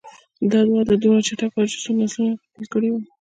دا وده دومره چټکه وه چې څو نسلونه یې غافل کړي وو.